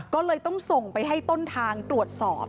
ก็เลยต้องส่งไปให้ต้นทางตรวจสอบ